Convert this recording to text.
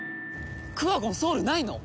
クワゴンソウルないの！？